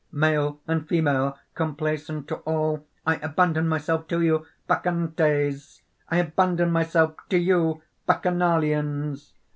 "Male and female, complaisant to all, I abandon myself to you, Bacchantes! I abandon myself to you, Bacchanalians!